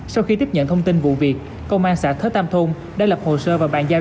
sau khi tiếp nhận thông tin vụ việc công an xã thới tam thôn đã lập hồ sơ và bàn giao